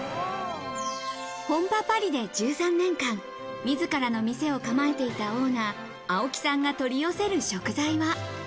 本場パリで１３年間、自らの店を構えていたオーナー、青木さんが取り寄せる食材は？